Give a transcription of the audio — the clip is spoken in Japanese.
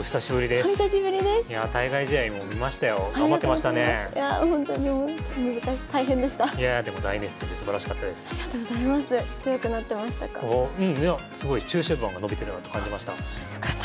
すごい中終盤が伸びてるなと感じました。